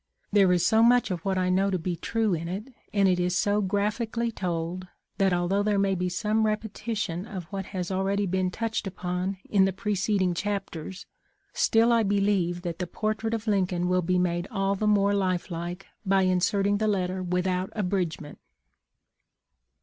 There is so much of what I know to be true in it, and it is so graphically told, that although there maybe some repetition of what has already been touched upon in the preceding chapters, still I believe that the portrait of Lincoln will be made all the more life like by inserting the letter without abridgment.